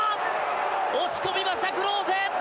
押し込みましたクローゼ！